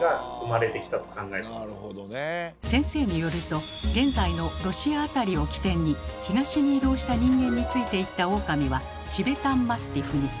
先生によると現在のロシア辺りを起点に東に移動した人間について行ったオオカミはチベタン・マスティフに。